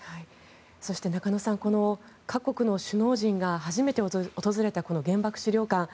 そして中野さん各国の首脳陣が初めて訪れた原爆資料館。